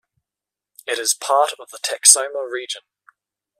It is part of the Texoma region.